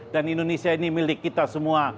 dan indonesia ini milik kita semua